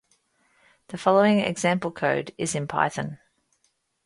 The following example code is in Python.